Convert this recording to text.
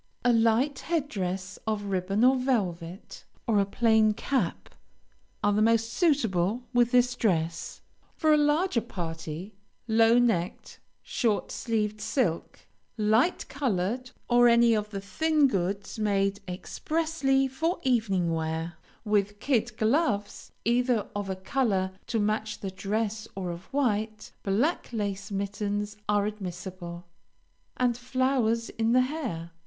A light head dress of ribbon or velvet, or a plain cap, are the most suitable with this dress. For a larger party, low necked, short sleeved silk, light colored, or any of the thin goods made expressly for evening wear, with kid gloves, either of a color to match the dress or of white; black lace mittens are admissible, and flowers in the hair.